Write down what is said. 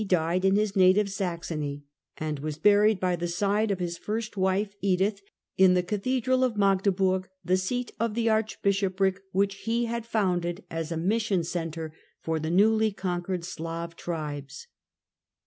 died in his native Saxony, and was buried by the side of his 16 THE CENTRAL PERIOD OF THE MIDDLE AGE first wife, Edith, in the cathedral of Magdeburg, the seat of the archbishopric which he had founded as a mission centre for the newly conquered Slav tribes.